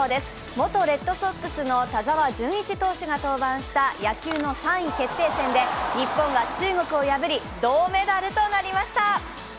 元レッドソックスの田澤純一選手が登板した野球の３位決定戦で日本は中国を破り、銅メダルとなりました。